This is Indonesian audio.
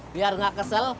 biar gak kesel